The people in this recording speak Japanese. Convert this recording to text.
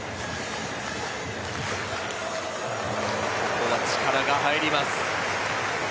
ここは力が入ります。